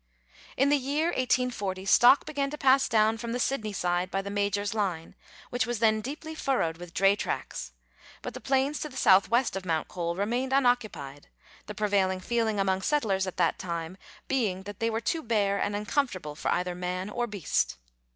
In the year 1840 stock began to pass down from the Sydney side by the Major's Line, which was then deeply furrowed with dray tracks, but the plains to the south west of Mount Cole remained unoccupied, the prevailing feeling among settlers at that time being that they were too bare and uncomfortable for either man or beast.